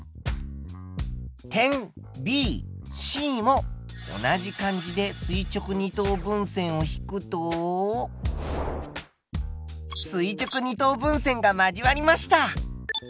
点ＢＣも同じ感じで垂直二等分線を引くと垂直二等分線が交わりました。